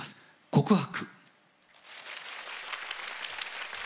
「告白」。